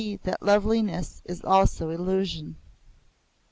that loveliness is also illusion!)